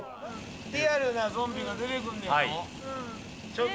リアルなゾンビが出てくるんでしょ？